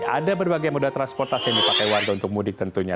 ada berbagai moda transportasi yang dipakai warga untuk mudik tentunya